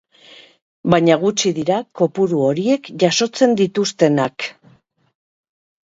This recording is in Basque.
Baina gutxi dira kopuru horiek jasotzen dituztenak.